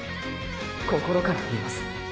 心から言います。